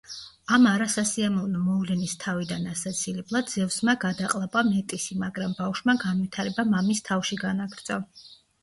ამ არასასიამოვნო მოვლენის თავიდან ასაცილებლად ზევსმა გადაყლაპა მეტისი, მაგრამ ბავშვმა განვითარება მამის თავში განაგრძო.